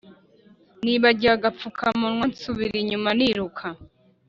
Nibagiwe agafukamunwa nsubira inyuma niruka